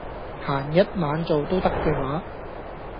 閒日晚做都得嘅話